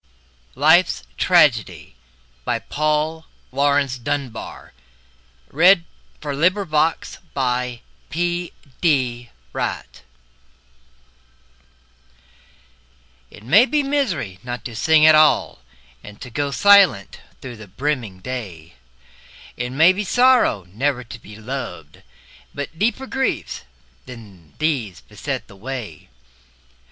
Laurence Dunbar — Life's TragedyPaul Laurence Dunbar LIFE'S TRAGEDY It may be misery not to sing at all And to go silent through the brimming day. It may be sorrow never to be loved, But deeper griefs than these beset the way.